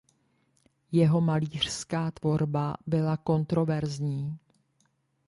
Jeho malířská tvorba byla kontroverzní.